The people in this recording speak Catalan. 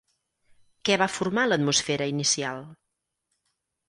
Què va formar l'atmosfera inicial?